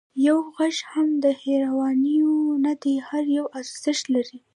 یو غږ هم د هېروانیو نه دی، هر یو ارزښت لري.